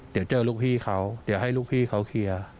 เดี๋ยวเจอลูกพี่เขาเดี๋ยวให้ลูกพี่เขาเคลียร์